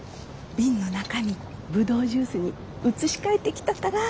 瓶の中身ブドウジュースに移し替えてきたから。